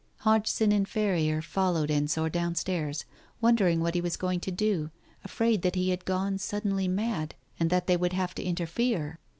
Hodgson and Ferrier followed Ensor downstairs, won dering what he was going to do, afraid that he had gone suddenly mad and that they would have to interfere.